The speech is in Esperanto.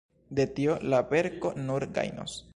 De tio la verko nur gajnos.